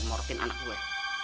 murtin anak gue